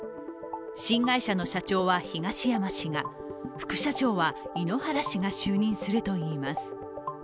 新会社の社長は東山氏が、副社長は井ノ原氏が就任するといいます。